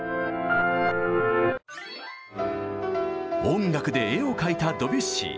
音楽で絵を描いたドビュッシー。